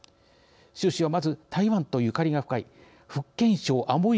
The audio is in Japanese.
習氏はまず台湾とゆかりが深い福建省アモイ